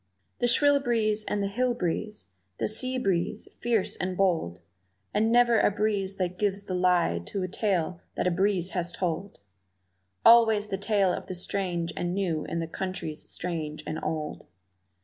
The shrill breeze and the hill breeze, the sea breeze, fierce and bold, And never a breeze that gives the lie to a tale that a breeze has told; Always the tale of the strange and new in the countries strange and old.